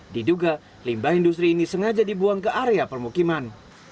diduga limbah industri ini sengaja dibuang ke area permukiman